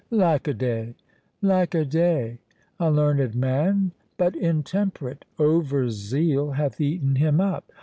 "Lack a day, lack a day! a learned man, but intemperate; over zeal hath eaten him up.